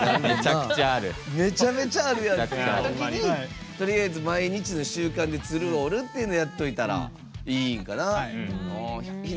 めちゃめちゃあるやんってときにとりあえず、毎日の習慣で鶴を折るっていうのをやっといたらいいんかな。